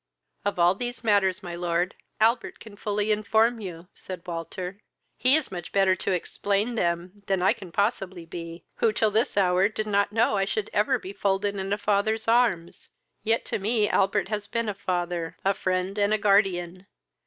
"Of all these matters, my lord, Albert can fully inform you, (said Walter.) He is much better able to explain them than I can possibly be, who till this hour did not know I should ever be folded in a father's arms; yet to me Albert has been a father, a friend, and a guardian.